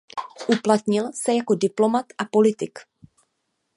Uplatnil se jako diplomat a politik.